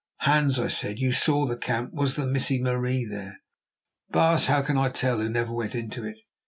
"Hans," I said, "you saw the camp. Was the Missie Marie there?" "Baas, how can I tell, who never went into it?